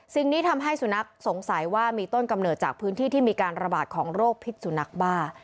นี้ทำให้สุนัขสงสัยว่ามีต้นกำเนิดจากพื้นที่ที่มีการระบาดของโรคพิษสุนัขบ้า